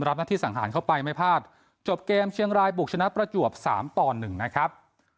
รับหน้าที่สังหารเข้าไปไม่พลาดจบเกมเชียงรายบุกชนะประจวบ๓ต่อ๑นะครับ